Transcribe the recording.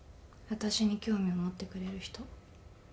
私に興味を持ってくれる人。